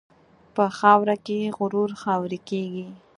په خاوره کې غرور خاورې کېږي.